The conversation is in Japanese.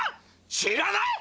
知らない！？